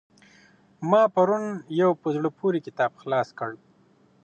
ما پرون يو په زړه پوري کتاب خلاص کړ.